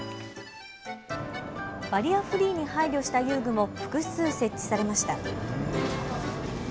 バリアフリーに配慮した遊具も複数、設置されました。